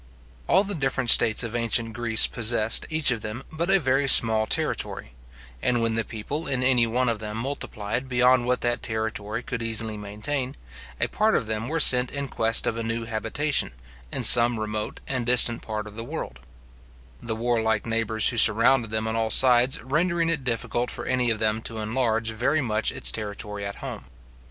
All the different states of ancient Greece possessed, each of them, but a very small territory; and when the people in anyone of them multiplied beyond what that territory could easily maintain, a part of them were sent in quest of a new habitation, in some remote and distant part of the world; the warlike neighbours who surrounded them on all sides, rendering it difficult for any of them to enlarge very much its territory at home.